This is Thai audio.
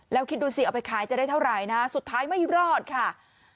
แล้วคิดดูสิเอาไปขายจะได้เท่าไหร่นะสุดท้ายไม่รอดค่ะ